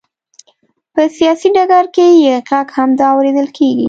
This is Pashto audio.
په سیاسي ډګر کې یې غږ هم اورېدل کېږي.